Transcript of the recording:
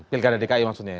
pilkada dki maksudnya ya